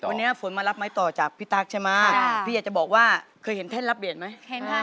วันนี้ฝนมารับไม้ต่อจากพี่ตั๊กใช่ไหมพี่อยากจะบอกว่าเคยเห็นท่านรับเหรียญไหม